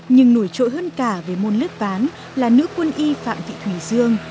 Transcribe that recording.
nhưng nổi trội hơn cả về môn lứt ván là nữ quân y phạm thị thủy dương